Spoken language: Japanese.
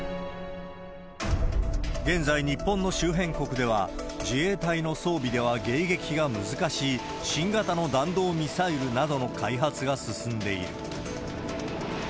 現在、日本の周辺国では、自衛隊の装備では迎撃が難しい新型の弾道ミサイルなどの開発が進んでいる。